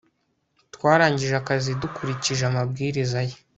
twarangije akazi dukurikije amabwiriza ye